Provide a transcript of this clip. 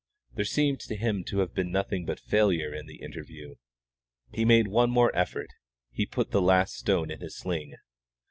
There seemed to him to have been nothing but failure in the interview. He made one more effort; he put the last stone in his sling.